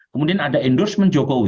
kemudian ada endorsement jokowi